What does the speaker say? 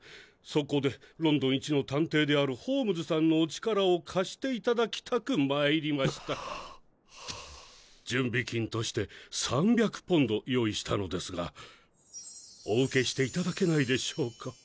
そこでロンドン一の探偵であるホームズさんのお力を貸していただきたく参りましたふぁ準備金として３００ポンド用意したのですがお受けしていただけないでしょうか？